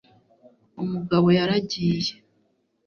umugabo yaragiye